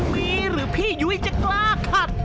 มีหรือพี่ยุ้ยจะกล้าขัด